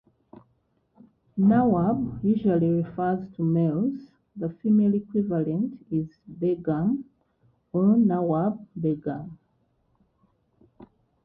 "Nawab" usually refers to males; the female equivalent is "begum" or "nawab begum".